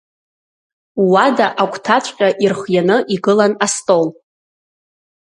Ууада агәҭаҵәҟьа ирхианы игылан астол.